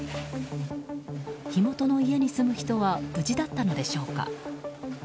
火元の家に住む人は無事だったのでしょうか。